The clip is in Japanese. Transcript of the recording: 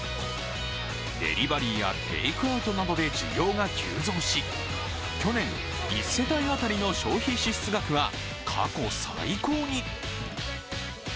デリバリーやテイクアウトなどで需要が急増し去年、１世帯当たりの消費支出額は過去最高に。